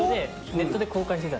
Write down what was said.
ネットで公開してたんです。